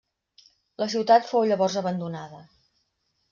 La ciutat fou llavors abandonada.